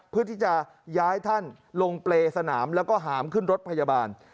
เพื่อที่จะย้ายท่านลงเปรย์สนามแล้วก็หามขึ้นรถพยาบาล